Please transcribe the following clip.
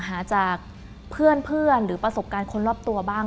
หาจากเพื่อนหรือประสบการณ์คนรอบตัวบ้าง